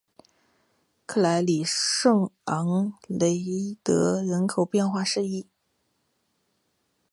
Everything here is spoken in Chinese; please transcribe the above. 克莱里圣昂德雷人口变化图示